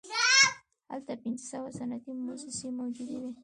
هلته پنځه سوه صنعتي موسسې موجودې وې